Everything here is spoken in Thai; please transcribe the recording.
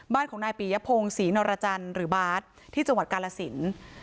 บ้านของนายปียพงศรีนรจันทร์หรือบาทที่จังหวัดกาลสิน